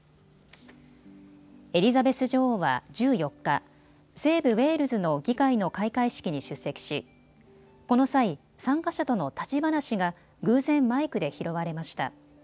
エリザベス女王は１４日、西部ウェールズの議会の開会式に出席しこの際、参加者との立ち話が偶然マイクで拾われました。